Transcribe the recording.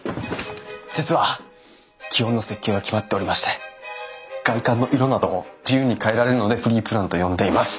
実は基本の設計は決まっておりまして外観の色などを自由に変えられるのでフリープランと呼んでいます。